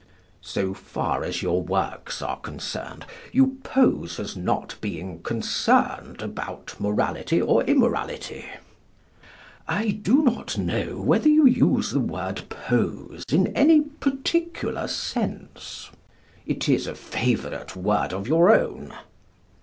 So far as your works are concerned you pose as not being concerned about morality or immorality? I do not know whether you use the word "pose" in any particular sense. It is a favourite word of your own?